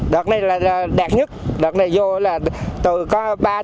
đợt này là đẹp nhất đợt này vô là từ có ba mươi